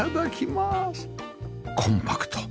コンパクト？